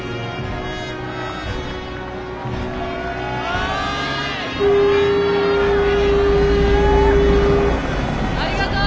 ありがとう！